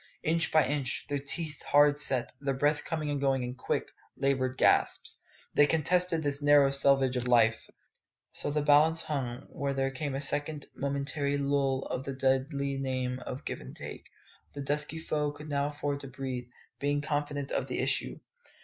Inch by inch, their teeth hard set, their breath coming and going in quick, laboured gasps, they contested this narrow selvage of life. So the balance hung, when there came a second momentary lull in the deadly game of give and take. The dusky foe could now afford to breathe, being confident of the issue.